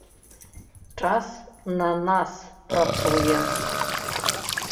Час на нас працуе.